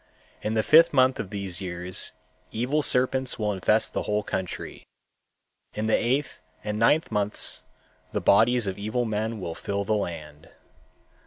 In the fifth month of these years evil serpents will infest the whole country. In the eighth and ninth months the bodies of evil men will fill the land.